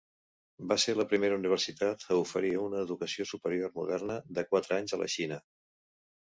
Va ser la primera universitat a oferir una educació superior moderna de quatre anys a la Xina.